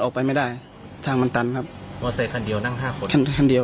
ออกไปไม่ได้ทางมันตันครับมอเซคันเดียวนั่งห้าคนคันเดียว